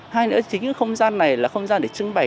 hai nữa chính cái không gian này là không gian để trưng bày